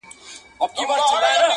o په جنگ کي اسان نه چاغېږي!